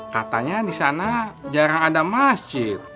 katanya di sana jarang ada masjid